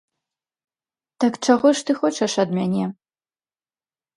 Так чаго ж ты хочаш ад мяне?